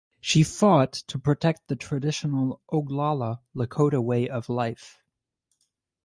She fought to protect the traditional Oglala Lakota way of life.